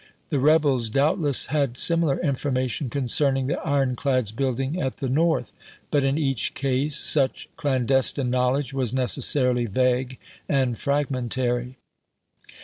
The rebels doubtless had similar information concerning the ironclads building at the North. But in each case such clandestine knowledge was necessarily vague and fragmentary.